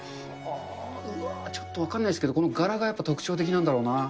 うわー、ちょっと分かんないけど、この柄がやっぱり特徴的なんだろうな。